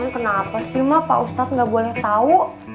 kenapa sih ih pak ustad ini nggak boleh tau